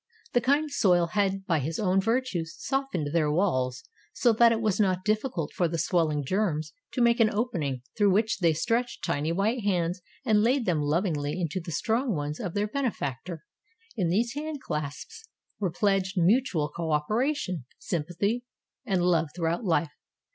The kind soil had by his own virtues softened their walls so that it was not difficult for the swelling germs to make an opening through which they stretched tiny white hands and laid them lovingly into the strong ones of their benefactor. In these handclasps were pledged mutual co operation, sympathy and love throughout life.